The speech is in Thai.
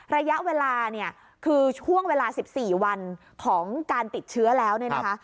ระยะเวลาเนี่ยคือช่วงเวลา๑๔วันของการติดเชื้อแล้วเนี่ยนะคะ